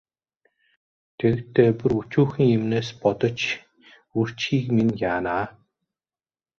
Тэгэхдээ бүр өчүүхэн юмнаас болж үрчийхийг минь яана.